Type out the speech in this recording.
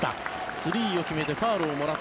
スリーを決めてファウルをもらった。